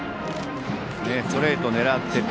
ストレートを狙っていて。